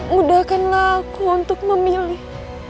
mudahkanlah aku untuk memilih